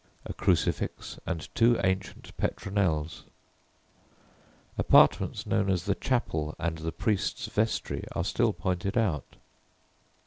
_ a crucifix and two ancient petronels. Apartments known as "the chapel" and "the priest's vestry" are still pointed out.